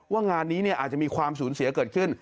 งานนี้อาจจะมีความสูญเสียเกิดขึ้น